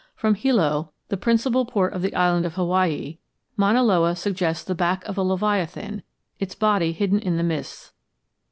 From Hilo, the principal port of the island of Hawaii, Mauna Loa suggests the back of a leviathan, its body hidden in the mists.